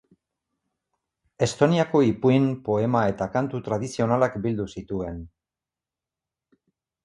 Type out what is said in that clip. Estoniako ipuin, poema eta kantu tradizionalak bildu zituen.